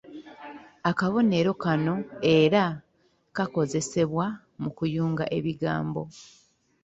Akabonero kano era kakozesebwa mu kuyunga ebigambo.